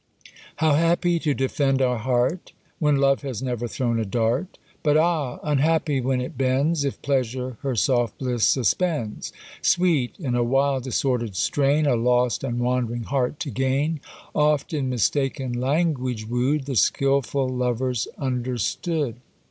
How happy to defend our heart, When Love has never thrown a dart! But ah! unhappy when it bends, If pleasure her soft bliss suspends! Sweet in a wild disordered strain, A lost and wandering heart to gain! Oft in mistaken language wooed, The skilful lover's understood.